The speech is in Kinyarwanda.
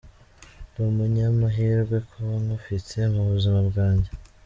Ndi umunyamahirwe kuba nkufite mu buzima bwanjye.